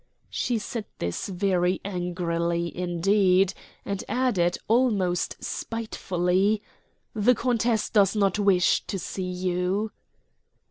She said this very angrily indeed, and added, almost spitefully: "The countess does not wish to see you."